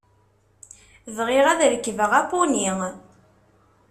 Bɣiɣ ad rekbeɣ apuni!